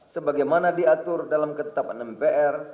sebagaimana diatur dalam ketetapan mpr